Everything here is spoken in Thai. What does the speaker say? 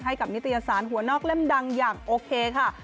ให้กับนิตยสารหัวนอกเล่มดังอย่างโอเคค่ะ